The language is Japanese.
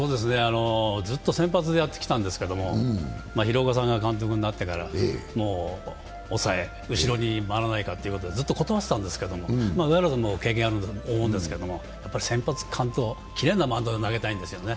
ずっと先発でやってきたんですけど、広岡さんが監督になってから後ろに回らないかと、ずっと断ってたんですけど、上原さんも経験あると思いますけど先発完投、きれいなマウンドで投げたいんですよね。